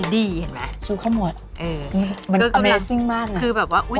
ดีเห็นมั้ยชู้เข้าหมด